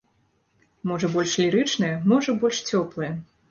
Можа, больш лірычная, можа, больш цёплая.